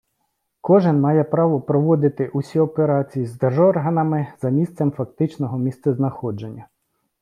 Кожен має право проводити усі операції з держорганами за місцем фактичного місцезнаходження.